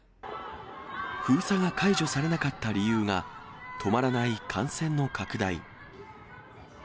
封鎖が解除されなかった理由が、止まらない感染の拡大。